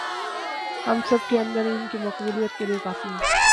ہم سب کے اندر ان کی مقبولیت کے لئے کافی ہیں